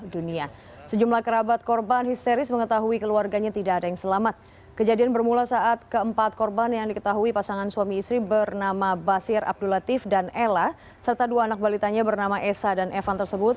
dan ella serta dua anak balitanya bernama esa dan evan tersebut